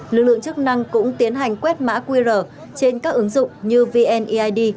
lực lượng chức năng cũng tiến hành quét mã qr trên các ứng dụng như vneid